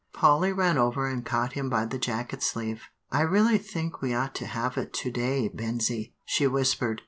Polly ran over and caught him by the jacket sleeve. "I really think we ought to have it to day, Bensie," she whispered.